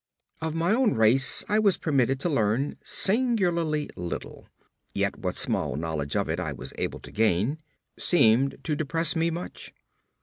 Of my own race I was permitted to learn singularly little, yet what small knowledge of it I was able to gain, seemed to depress me much.